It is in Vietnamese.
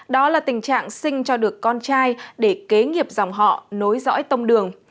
đó là tình trạng sinh cho được con trai để kế nghiệp dòng họ nối dõi tông đường